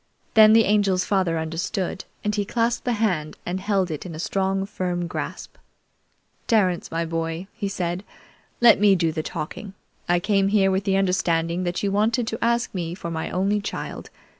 Then the Angel's father understood, and he clasped that hand and held it in a strong, firm grasp. "Terence, my boy," he said, "let me do the talking. I came here with the understanding that you wanted to ask me for my only child.